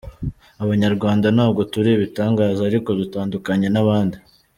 Abanyarwanda ntabwo turi ibitangaza ariko dutandukanye n’abandi.